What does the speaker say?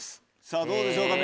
さぁどうでしょうか？